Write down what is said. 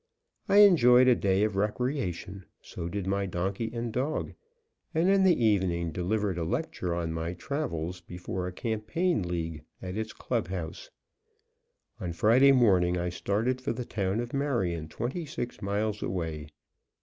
I enjoyed a day of recreation, so did my donkey and dog, and in the evening delivered a lecture on my travels before a campaign league at its club house. On Friday morning I started for the town of Marion, twenty six miles away.